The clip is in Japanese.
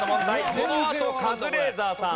このあとカズレーザーさん。